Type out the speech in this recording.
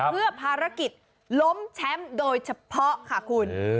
เพื่อภารกิจล้มแชมป์โดยเฉพาะค่ะคุณ